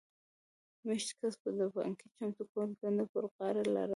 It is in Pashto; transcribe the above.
مېشت کس به د پانګې چمتو کولو دنده پر غاړه لرله